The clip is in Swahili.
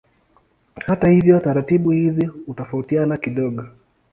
Hata hivyo taratibu hizi hutofautiana kidogo.